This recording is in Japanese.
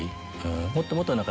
もっともっと何か。